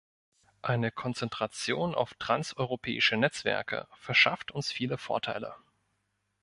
Eine Konzentration auf Transeuropäische Netzwerke verschafft uns viele Vorteile.